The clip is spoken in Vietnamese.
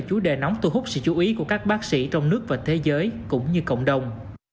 ưu hút sự chú ý của các bác sĩ trong nước và thế giới cũng như cộng đồng